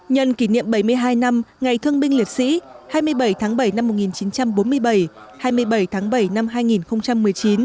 nhân kỷ niệm bảy mươi hai năm ngày thương binh liệt sĩ hai mươi bảy tháng bảy năm một nghìn chín trăm bốn mươi bảy hai mươi bảy tháng bảy năm hai nghìn một mươi chín